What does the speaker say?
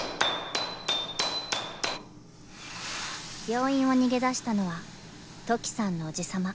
［病院を逃げ出したのは土岐さんのおじさま